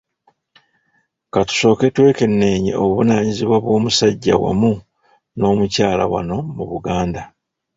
Ka tusooke twekenneenye obuvunaanyizibwa bw’omusajja wamu n’omukyala wano mu Buganda